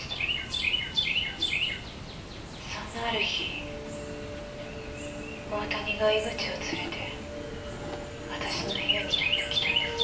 そんなある日大谷が江口を連れて私の部屋にやってきたんです。